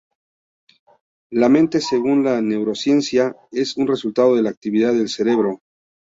La mente, según la neurociencia, es un resultado de la actividad del cerebro.